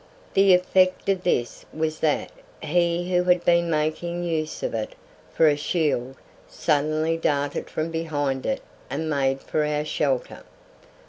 The effect of this was that he who had been making use of it for a shield suddenly darted from behind it and made for our shelter.